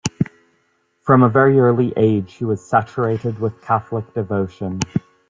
From a very early age he was "saturated with Catholic devotion".